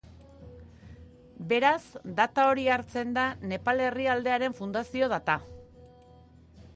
Beraz, data hori hartzen da Nepal herrialdearen fundazio data.